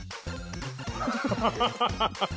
ハハハハ。